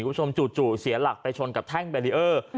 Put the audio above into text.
คุณผู้ชมจู่เสียหลักไปชนกับแท่งแบรีเออร์